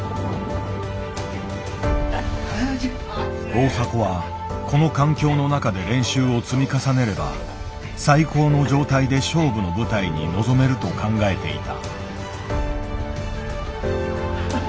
大迫はこの環境の中で練習を積み重ねれば最高の状態で勝負の舞台に臨めると考えていた。